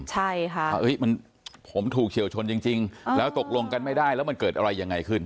ใช่ค่ะว่าผมถูกเฉียวชนจริงแล้วตกลงกันไม่ได้แล้วมันเกิดอะไรยังไงขึ้น